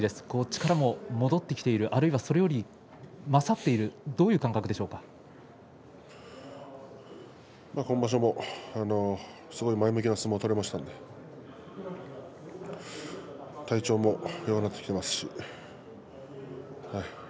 力も戻ってきているあるいはそれより勝っている今場所もすごい前向きな相撲が取れましたので体調もよくなってきていますしはい